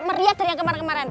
melihat dari yang kemarin kemarin